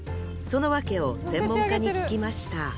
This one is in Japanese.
その訳を専門家に聞きました